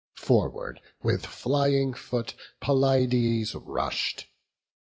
Forward, with flying foot, Pelides rush'd.